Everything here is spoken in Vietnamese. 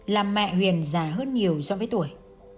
làm mẹ huyền già hơn nhiều do với tuổi